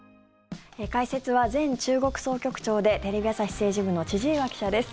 解説は、前中国総局長でテレビ朝日政治部の千々岩記者です。